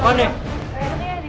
ini ada teman ya